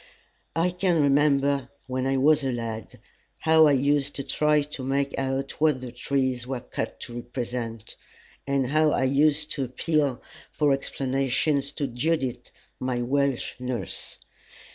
I can remember when I was a lad how I used to try to make out what the trees were cut to represent, and how I used to appeal for explanations to Judith, my Welsh nurse.